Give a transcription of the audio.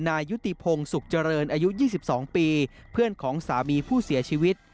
นายุติพงศ์สุขเจริญอายุยี่สิบสองปีเพื่อนของสามีผู้เสียชีวิต